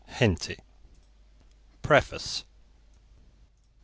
Henty PREFACE.